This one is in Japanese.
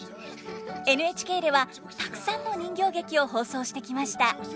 ＮＨＫではたくさんの人形劇を放送してきました。